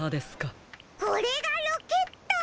これがロケット。